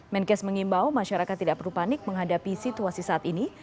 menkes mengimbau masyarakat tidak perlu panik menghadapi situasi saat ini